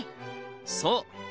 そう！